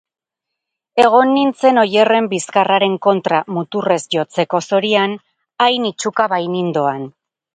Egon nintzen Oierren bizkarraren kontra muturrez jotzeko zorian, hain itsuka bainindoan.